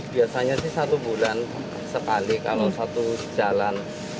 biasanya sih satu bulan sekali kalau satu jalan